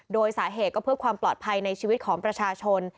โดยสาเหตุก็เพื่อความปลอดภัยในชีวิตของประชาชน